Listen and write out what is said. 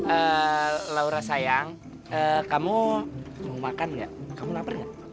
eh laura sayang kamu mau makan nggak kamu lapar nggak